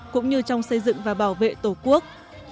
cũng như trong xây dựng và bảo vệ tổ quốc